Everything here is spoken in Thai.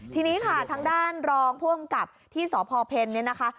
ทีนี้ค่ะทางด้านรองผู้อำกับที่สพเพลเนี่ยนะคะ